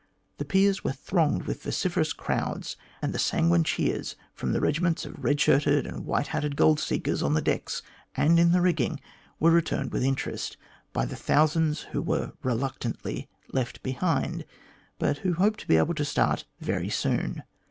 The piers were thronged by vociferous crowds, and the sanguine cheers from the regiments of red shirted and white hatted gold seekers on the decks and in the rigging were returned with interest by the thousands who were reluctantly left behind, but who hoped to be able to start very soon.